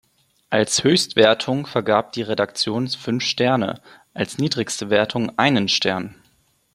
Als Höchstwertung vergab die Redaktion fünf Sterne, als niedrigste Wertung einen Stern.